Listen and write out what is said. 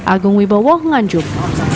agung wibowo nganjuk